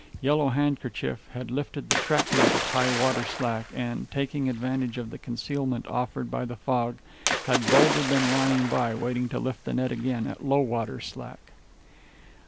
Yellow Handkerchief had lifted the trap net at high water slack, and, taking advantage of the concealment offered by the fog, had boldly been lying by, waiting to lift the net again at low water slack.